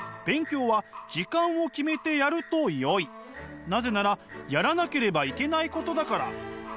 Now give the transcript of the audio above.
勉強はなぜならやらなければいけないことだから。